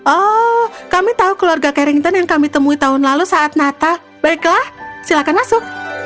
oh kami tahu keluarga carrington yang kami temui tahun lalu saat natal baiklah silakan masuk